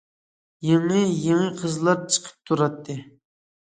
يېڭى- يېڭى قىزلار چىقىپ تۇراتتى.